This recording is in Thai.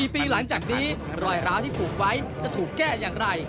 ๔ปีหลังจากนี้รอยร้าวที่ผูกไว้จะถูกแก้อย่างไร